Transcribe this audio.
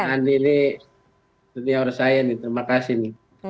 ini ini setiaur saya nih terima kasih nih